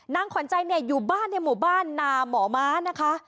นางขวัญใจอยู่บ้านในหมู่บ้านนามหมอม้านะคะ